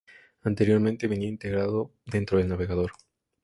Anteriormente venía integrado dentro del navegador.